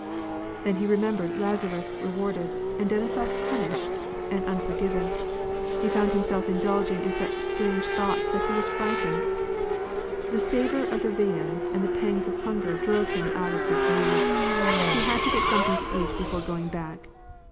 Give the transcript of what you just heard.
Then he re membered Lazaref rewarded and Denisof punished and unfor given. He found himself indulging in such strange thoughts that he was frightened. The savor of the viands and the pangs of hunger drove him out of this mood ; he had to get something to eat before going back.